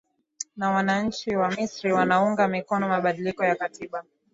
na wananchi wa misri wanaunga mikono mabadiliko ya katiba